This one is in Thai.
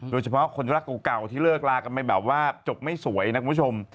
โดยเฉพาะคนรักเก่าที่เลิกลากันไปแบบว่าจบไม่สวยนะคุณผู้ชม